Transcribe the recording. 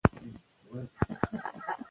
دا تړون د افغانستان په تاوان و.